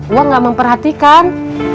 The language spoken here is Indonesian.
wa gak memperhatikan